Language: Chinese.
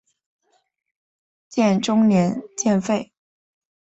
建中年间废。